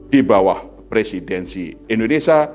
di bawah presidensi indonesia